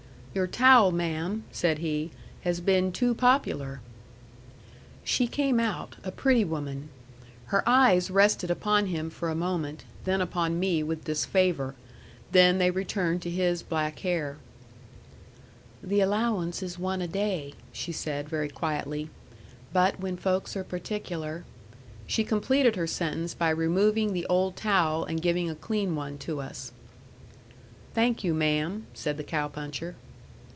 "Your towel, ma'am," said he, "has been too popular." She came out, a pretty woman. Her eyes rested upon him for a moment, then upon me with disfavor; then they returned to his black hair. "The allowance is one a day," said she, very quietly. "But when folks are particular " She completed her sentence by removing the old towel and giving a clean one to us. "Thank you, ma'am," said the cow puncher.